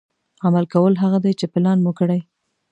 عمل کول هغه دي چې پلان مو کړي.